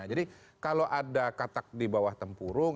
jadi kalau ada katak di bawah tempurung